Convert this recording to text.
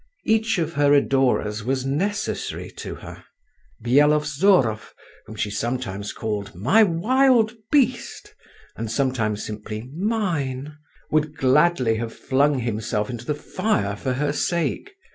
Each of her adorers was necessary to her. Byelovzorov, whom she sometimes called "my wild beast," and sometimes simply "mine," would gladly have flung himself into the fire for her sake.